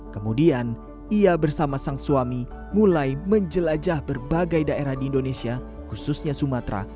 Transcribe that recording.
kemudian ia bersama sang suami mulai menjelajah berbagai daerah di indonesia khususnya sumatera